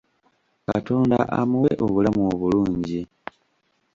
Katonda amuwe obulamu obulungi.